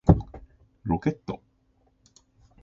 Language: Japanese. ロケット